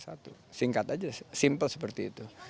singkat saja simple seperti itu